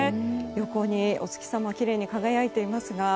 横に、お月様がきれいに輝いていますが。